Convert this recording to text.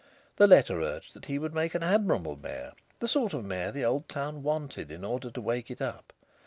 The letter urged that he would make an admirable mayor, the sort of mayor the old town wanted in order to wake it up.